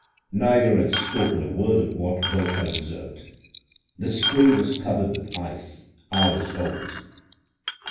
Neither had spoken a word of what both had observed. The spring was covered with ice, hours old.